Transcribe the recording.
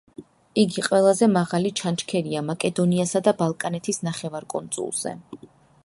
იგი ყველაზე მაღალი ჩანჩქერია მაკედონიასა და ბალკანეთის ნახევარკუნძულზე.